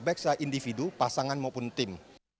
baik secara individu pasangan maupun tim